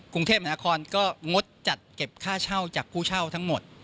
กรุงเทพมหานครก็งดจัดเก็บค่าเช่าจากผู้เช่าทั้งหมด